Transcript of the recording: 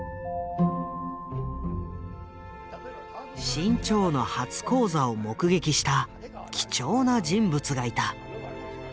志ん朝の初高座を目撃した貴重な人物がいた。